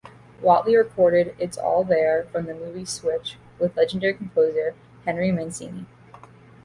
Watley recorded "It's All There" for the movie "Switch" with legendary composer Henry Mancini.